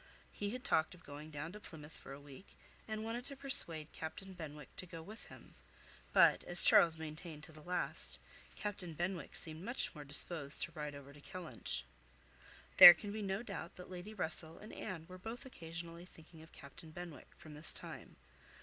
He had talked of going down to Plymouth for a week, and wanted to persuade Captain Benwick to go with him; but, as Charles maintained to the last, Captain Benwick seemed much more disposed to ride over to Kellynch. There can be no doubt that Lady Russell and Anne were both occasionally thinking of Captain Benwick, from this time.